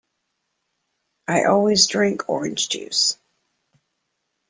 I always drink orange juice.